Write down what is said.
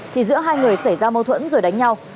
thì giữa hai người xảy ra mâu thuẫn rồi đánh nhau